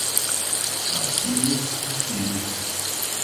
Assírios e sírios